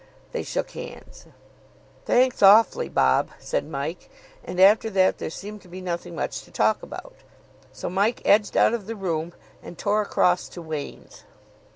They shook hands. "Thanks, awfully, Bob," said Mike. And after that there seemed to be nothing much to talk about. So Mike edged out of the room, and tore across to Wain's.